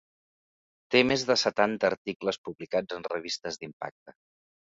Té més de setanta articles publicats en revistes d’impacte.